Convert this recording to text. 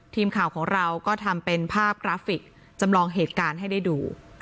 ทีมข่าวของเราก็ทำเป็นภาพกราฟิกจำลองเหตุการณ์ให้ได้ดู